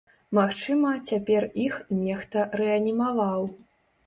Магчыма, цяпер іх нехта рэанімаваў.